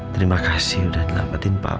terima kasih udah nampatin papa